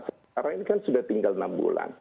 sekarang ini kan sudah tinggal enam bulan